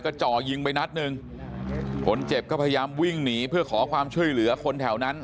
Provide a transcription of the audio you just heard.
ก็จ่อยิงไปนัดหนึ่งคนเจ็บก็พยายามวิ่งหนีเพื่อขอความช่วยเหลือคนแถวนั้น